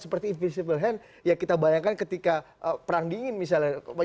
seperti invisible hand ya kita bayangkan ketika perang dingin misalnya